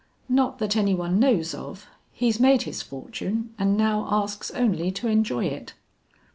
"Not that any one knows of. He's made his fortune and now asks only to enjoy it."